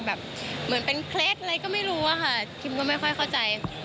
เหมือนเป็นเคล็ดอะไรก็ไม่รู้อะค่ะคิมก็ไม่ค่อยเข้าใจ